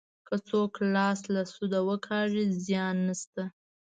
که څوک لاس له سوده وکاږي زیان نشته.